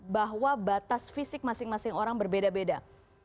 bahwa batas fisik masing masing orang berbeda beda